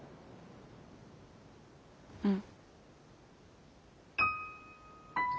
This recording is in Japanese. うん。